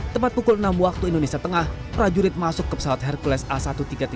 tepat pukul enam waktu indonesia tengah prajurit masuk ke pesawat hercules a seribu tiga ratus tiga puluh